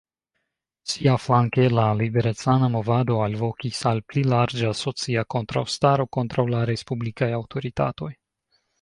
Siaflanke la liberecana movado alvokis al pli larĝa socia kontraŭstaro kontraŭ la respublikaj aŭtoritatoj.